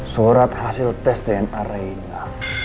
surat hasil tes dna reina